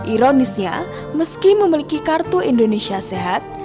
ironisnya meski memiliki kartu indonesia sehat